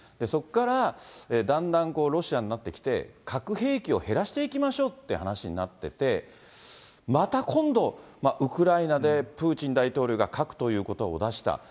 そこから、だんだんロシアになってきて、核兵器を減らしていきましょうって話になってて、また今度、ウクライナでプーチン大統領が核ということばを出した。